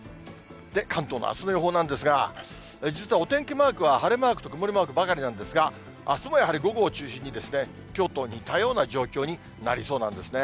関東のあすの予報なんですが、実はお天気マークは晴れマークと曇りマークばかりなんですが、あすもやはり午後を中心に、きょうと似たような状況になりそうなんですね。